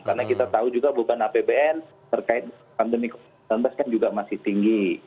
karena kita tahu juga bukan apbn terkait pandemi covid sembilan belas kan juga masih tinggi